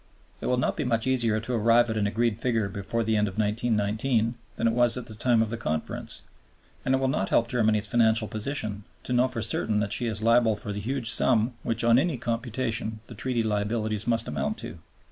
It will not be much easier to arrive at an agreed figure before the end of 1919 that it was at the time of the Conference; and it will not help Germany's financial position to know for certain that she is liable for the huge sum which on any computation the Treaty liabilities must amount to.